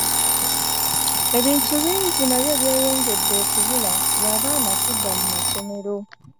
ebintu bingi nabyo byeyongedde okubula lwa baana kudda mu masomero.